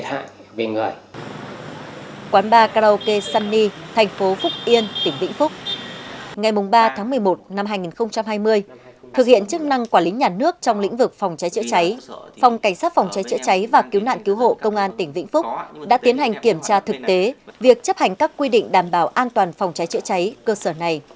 phòng cảnh sát phòng cháy chữa cháy và cứu hộ công an tỉnh vĩnh phúc đã tiến hành kiểm tra thực tế việc chấp hành các quy định đảm bảo yêu cầu